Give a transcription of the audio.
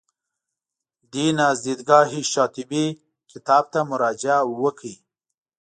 دین از دیدګاه شاطبي کتاب ته مراجعه وکړئ.